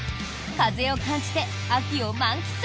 風を感じて秋を満喫！